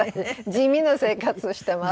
地味な生活をしてます。